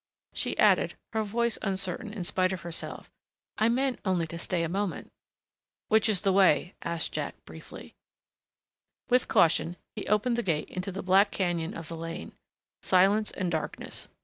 She added, her voice uncertain in spite of her, "I meant only to stay a moment." "Which is the way?" said Jack briefly. With caution he opened the gate into the black canyon of the lane. Silence and darkness.